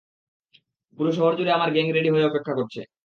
পুরো শহর জুড়ে আমার গ্যাং রেডি হয়ে অপেক্ষা করছে।